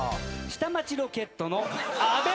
『下町ロケット』の阿部寛。